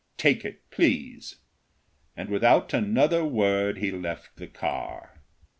Take it, please," and, without another word, he left the car. VII.